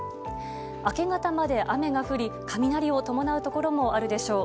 明け方まで雨が降り雷を伴うところもあるでしょう。